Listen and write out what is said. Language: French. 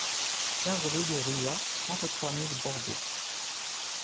quinze rue de Ruat, trente-trois mille Bordeaux